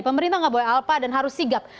pemerintah nggak boleh alpa dan harus sigap